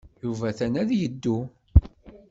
Yuba atan ad yeddu.